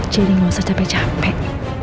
jadi gak usah capek capek